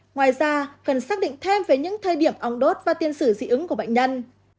ngoài ra cần xác định thêm về những thời điểm ong đốt và tiên sử dị ứng của bệnh nhân